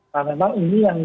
nah memang ini yang